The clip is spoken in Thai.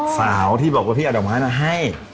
สาวที่บอกว่าพี่อดอกม้านะให้